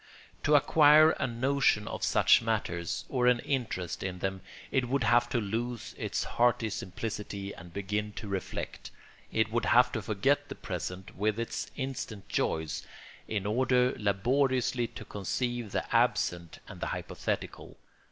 To acquire a notion of such matters, or an interest in them, it would have to lose its hearty simplicity and begin to reflect; it would have to forget the present with its instant joys in order laboriously to conceive the absent and the hypothetical.